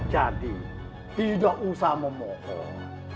jadi tidak usah memohon